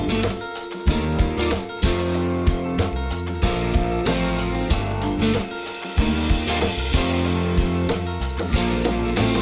gue pegang lo kenceng ya